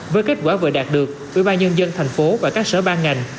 với kết quả vừa đạt được ủy ban nhân dân thành phố và các sở ban ngành